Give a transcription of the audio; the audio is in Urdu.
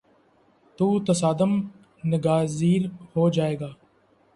تو تصادم ناگزیر ہو جائے گا۔